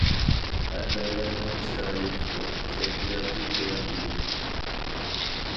ھەممەيلەننىڭ چىرايى تۇتۇق، كەيپىياتى تۆۋەن ئىدى.